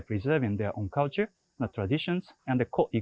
mereka menjaga budaya dan tradisi mereka sendiri